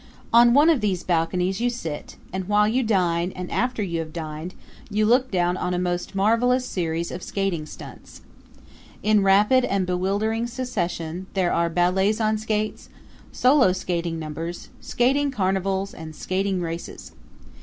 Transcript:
On one of these balconies you sit, and while you dine and after you have dined you look down on a most marvelous series of skating stunts. In rapid and bewildering succession there are ballets on skates, solo skating numbers, skating carnivals and skating races.